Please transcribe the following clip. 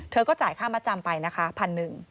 เธอก็จ่ายค่ามัดจำไปนะค่ะ๑๐๐๐บาท